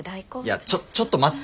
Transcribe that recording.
いやちょちょっと待って。